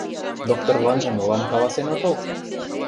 — Докторланже молан каласен отыл?